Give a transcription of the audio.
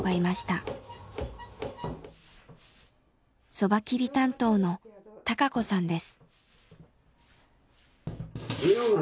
そば切り担当の孝子さんです。